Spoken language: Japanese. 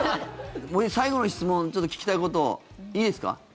最後の質問ちょっと聞きたいこと、いいですか？